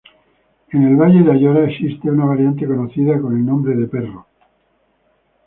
En el Valle de Ayora existe una variante conocida con el nombre de perro.